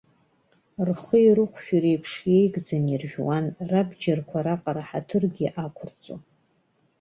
Рхи рыхәшәи реиԥш еигӡаны иржәуан, рабџьарқәа раҟара ҳаҭыргьы ақәырҵон.